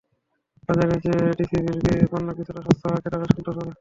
বাজারের চেয়ে টিসিবির পণ্য কিছুটা সস্তা হওয়ায় ক্রেতারা সন্তোষ প্রকাশ করেছেন।